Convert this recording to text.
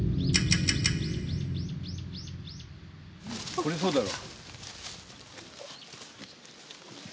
これそうだろ。